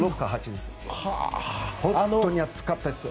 本当に暑かったです。